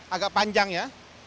agak panjang ya